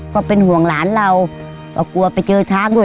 ก็เป็นห่วงหลานเราก็กลัวไปเจอช้างด้วย